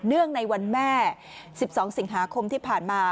ในวันแม่๑๒สิงหาคมที่ผ่านมา